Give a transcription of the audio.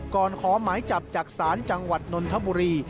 ขอหมายจับจากศาลจังหวัดนนทบุรี